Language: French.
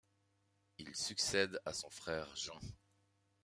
Il succède à son frère Jean.